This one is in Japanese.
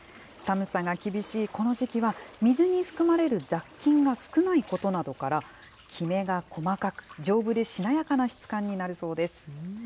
寒さが厳しいこの時期は、水に含まれる雑菌が少ないことなどから、きめが細かく、丈夫でしなやかな質感になるそうです。